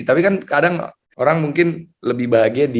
iya tapi kan kadang orang mungkin lebih bahagia di bibir